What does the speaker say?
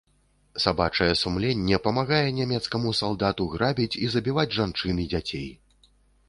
Сабачае сумленне памагае нямецкаму салдату грабіць і забіваць жанчын і дзяцей.